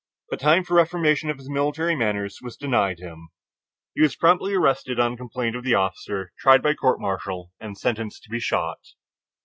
But time for reformation of his military manners was denied him: he was promptly arrested on complaint of the officer, tried by court martial and sentenced to be shot.